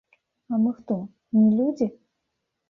А мы хто, не людзі?